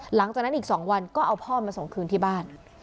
หลังจากนั้นอีก๒วันก็เอาพ่อมาส่งคืนที่บ้าน